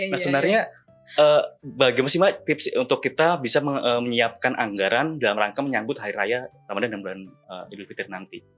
nah sebenarnya bagaimana sih mbak tips untuk kita bisa menyiapkan anggaran dalam rangka menyambut hari raya ramadan dan bulan idul fitri nanti